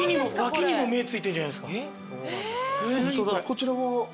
こちらは？